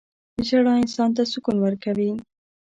• ژړا انسان ته سکون ورکوي.